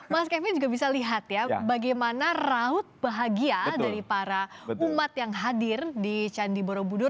mas kevin juga bisa lihat ya bagaimana raut bahagia dari para umat yang hadir di candi borobudur